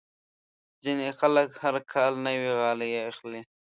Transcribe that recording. ځینې خلک هر کال نوې غالۍ اخلي.